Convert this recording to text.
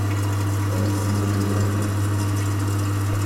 Ela ensina geografia.